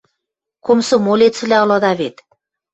Комсомолецвлӓ ылыда вет.